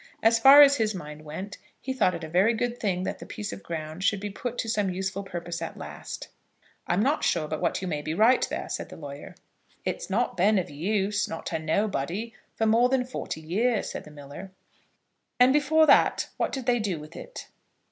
As far as his mind went he thought it a very good thing that the piece of ground should be put to some useful purpose at last. "I'm not sure but what you may be right there," said the lawyer. "It's not been of use, not to nobody, for more than forty year," said the miller. "And before that what did they do with it?"